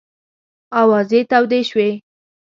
آوازې تودې شوې.